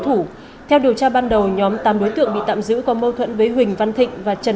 thủ theo điều tra ban đầu nhóm tám đối tượng bị tạm giữ có mâu thuẫn với huỳnh văn thịnh và trần